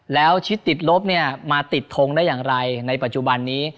แล้วชีวิตติดลบมาติดท้องได้ยังไงในปัจจุบันนี้